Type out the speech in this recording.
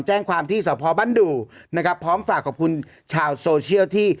แจ้งความที่สพบันดุนะครับพร้อมฝากขอบคุณชาวที่